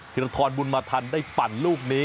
ทีละทอนบุญมาทันได้ปั่นลูกนี้